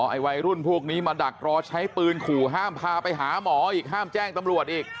ไอ้วัยรุ่นพวกนี้มาดักรอใช้ปืนขู่ห้ามพาไปหาหมออีกห้ามแจ้งตำรวจอีก